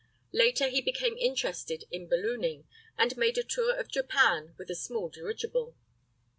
Later he became interested in ballooning, and made a tour of Japan with a small dirigible.